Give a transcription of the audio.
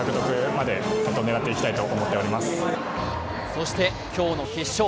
そして今日の決勝。